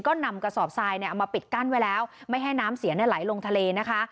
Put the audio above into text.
ก็นำกระสอบทรายเนี่ยเอามาปิดกั้นไว้แล้วไม่ให้น้ำเสียไหลลงทะเลนะคะ